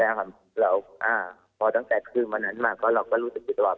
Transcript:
แต่เราพอตั้งแต่คืนวันนั้นมาเราก็รู้สึกจริงตลอด